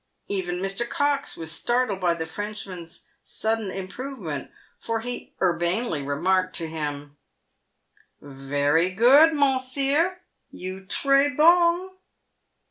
Even Mr. Cox was startled by the Frenchman's sudden improve ment, for he urbanely remarked to him :" Very good, mounseer — you tree hong.